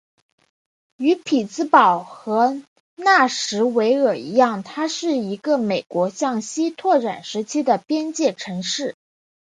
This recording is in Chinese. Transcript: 与匹兹堡和纳什维尔一样它是一个美国向西扩展时期的边界城市。